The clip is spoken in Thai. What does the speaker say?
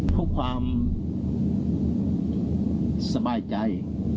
เพื่อความสบายใจ